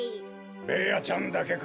ベーヤちゃんだけか？